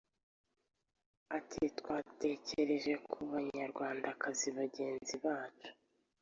Ati “Twatekereje ku banyarwandakazi bagenzi bacu